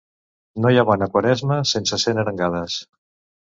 No hi ha bona Quaresma sense cent arengades.